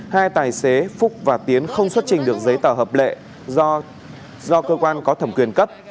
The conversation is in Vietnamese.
hai tài xế phúc và tiến không xuất trình được giấy tờ hợp lệ do cơ quan có thẩm quyền cấp